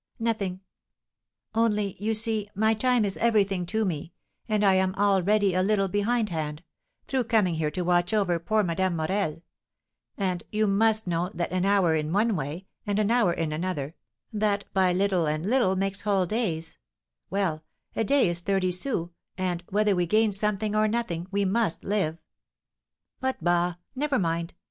"Nothing; only, you see, my time is everything to me, and I am already a little behindhand, through coming here to watch over poor Madame Morel; and you must know that an hour in one way, and an hour in another, that by little and little makes whole days; well, a day is thirty sous, and, whether we gain something or nothing, we must live; but bah! never mind.